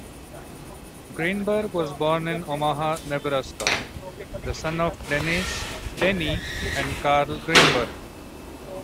Greenberg was born in Omaha, Nebraska, the son of Denise "Denny" and Carl Greenberg.